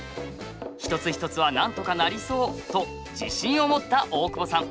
一つ一つはなんとかなりそうと自信を持った大久保さん。